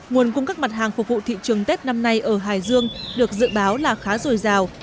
nguồn cung cấp mặt hàng phục vụ thị trường tết năm nay ở hải dương được dự báo là khá rồi rào